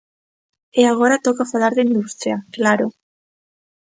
E agora toca falar de industria, claro.